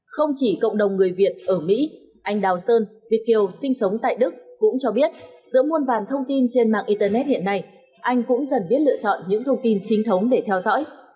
không chỉ cộng đồng người việt ở mỹ anh đào sơn việt kiều sinh sống tại đức cũng cho biết giữa muôn vàn thông tin trên mạng internet hiện nay anh cũng dần biết lựa chọn những thông tin chính thống để theo dõi